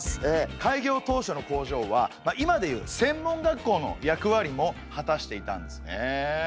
開業当初の工場は今で言う専門学校の役割も果たしていたんですね。